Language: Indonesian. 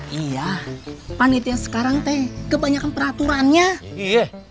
hai iya panit yang sekarang teh kebanyakan peraturan nya iya